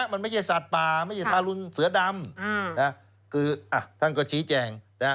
มันไม่ใช่สัตว์ป่าไม่ใช่ทารุณเสือดำคือท่านก็ชี้แจง